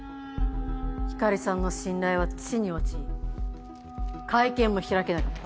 光莉さんの信頼は地に落ち会見も開けなかった。